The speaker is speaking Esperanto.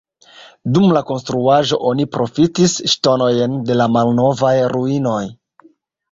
Dum la konstruado oni profitis ŝtonojn de la malnovaj ruinoj.